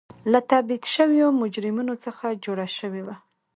له تبعید شویو مجرمینو څخه جوړه شوې وه.